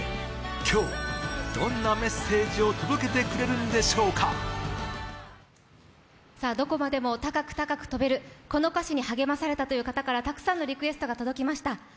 そんな彼女が今回届ける歌がどこまでも高く高く飛べる、この歌詞に励まされたという方々からたくさんのリクエストが届きました。